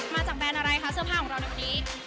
แบรนด์อะไรคะเสื้อผ้าของเราในวันนี้